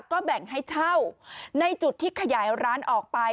ก็แบ่งให้เช่าในจุดที่ขยายร้านออกไป